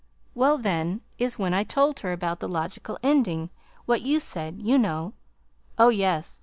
"Well, then is when I told her about the logical ending what you said, you know, oh, yes!